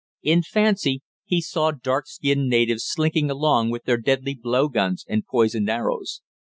In fancy he saw dark skinned natives slinking along with their deadly blow guns, and poisoned arrows.